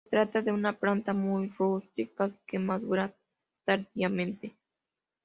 Se trata de una planta muy rústica, que madura tardíamente.